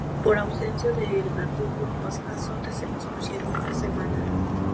Por ausencia del verdugo, los azotes se pospusieron una semana.